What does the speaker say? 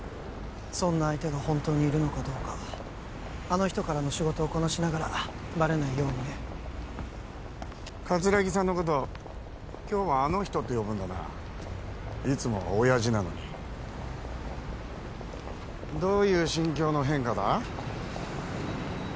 そんな相手が本当にいるのかどうかあの人からの仕事をこなしながらバレないようにね桂木さんのこと今日はあの人って呼ぶんだないつもは親爺なのにどういう心境の変化だ？